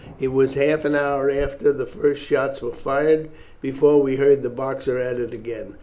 It was half an hour after the first shots were fired before we heard the Boxer at it again.